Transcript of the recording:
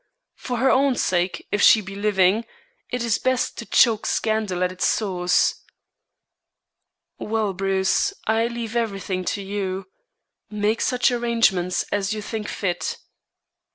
For her own sake, if she be living, it is best to choke scandal at its source." "Well, Bruce, I leave everything to you. Make such arrangements as you think fit."